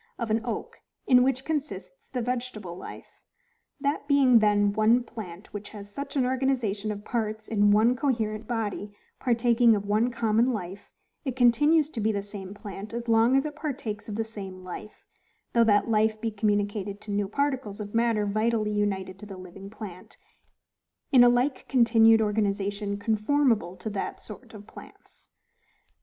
of an oak, in which consists the vegetable life. That being then one plant which has such an organization of parts in one coherent body, partaking of one common life, it continues to be the same plant as long as it partakes of the same life, though that life be communicated to new particles of matter vitally united to the living plant, in a like continued organization conformable to that sort of plants.